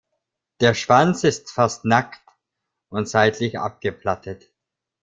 Der Schwanz ist fast nackt und seitlich abgeplattet.